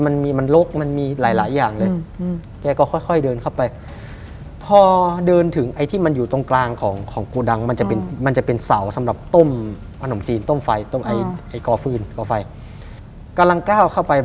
มันมีมันโลกมันมีหลายอย่างเลยอืมอืมแกก็ค่อยเดินเข้าไป